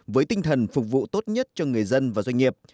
với tinh thần phục vụ tốt nhất cho người dân và doanh nghiệp